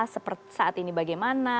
seperti saat ini bagaimana